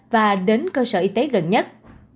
và đến cơ sở y tế gần nhất